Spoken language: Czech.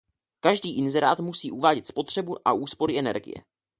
Každý inzerát musí uvádět spotřebu a úspory energie.